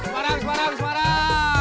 semarang semarang semarang